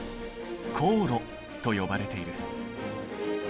高炉と呼ばれている。